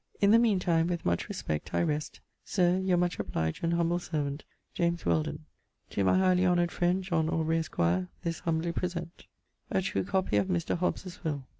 In the mean time, with much respect, I rest, Sir, your much obliged and humble servant, JAMES WHELDON. To my highly honoured frend, John Aubrey, esq., this humbly present. _A true copy of Mr. Hobbes's will.